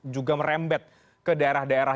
juga merembet ke daerah daerah